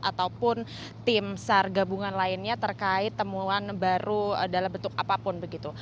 ataupun tim sar gabungan lainnya terkait temuan baru dalam bentuk apapun begitu